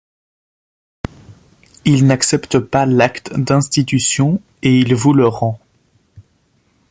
Il n’accepte pas l’acte d’institution et il vous le rend.